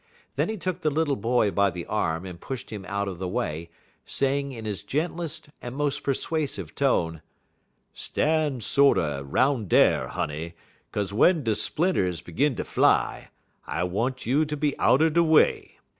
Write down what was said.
Then he took the little boy by the arm, and pushed him out of the way, saying in his gentlest and most persuasive tone: "Stan' sorter 'roun' dar, honey, 'kaze w'en de splinters 'gin ter fly, I want you ter be out'n de way.